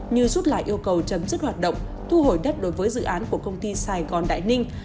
như rút lại yêu cầu chấm dứt hoạt động thu hồi đất đối với dự án của công ty sài gòn đại ninh